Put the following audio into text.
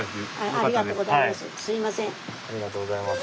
ありがとうございます。